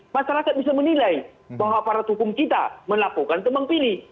masyarakat bisa menilai bahwa aparat hukum kita melakukan tebang pilih